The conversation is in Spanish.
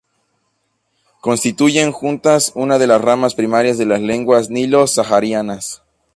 Constituyen juntas una de las ramas primarias de las lenguas nilo-saharianas.